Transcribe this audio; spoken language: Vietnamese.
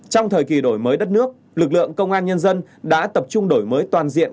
trong thời kỳ đổi mới đất nước lực lượng công an nhân dân đã tập trung đổi mới toàn diện